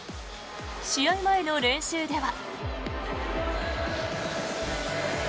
試合前の練習では。